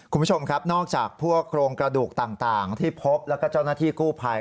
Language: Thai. คุณผู้ชมครับนอกจากพวกโครงกระดูกต่างที่พบแล้วก็เจ้าหน้าที่กู้ภัย